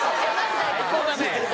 最高だね！